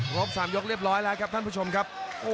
ครบ๓ยกเรียบร้อยแล้วครับท่านผู้ชมครับ